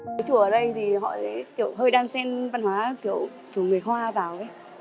ngôi chùa ở đây thì họ hơi đang xem văn hóa kiểu chùa người hoa giàu ấy